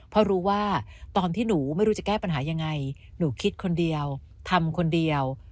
เพราะรู้ว่าตอนที่หนูไม่รู้จะแก้ปัญหายังไงหนูคิดคนเดียวทำคนเดียว